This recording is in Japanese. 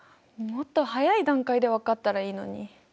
もっと早い段階で分かったらいいのに。